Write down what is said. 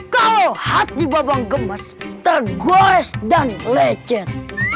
kalau hati babang gemes tergores dan lecet